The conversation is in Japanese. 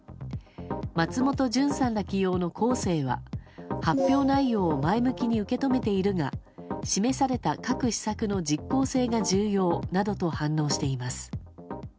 松本潤さんら起用のコーセーは発表内容を前向きに受け止めているが示された各施策の実効性が重要などと反応しています。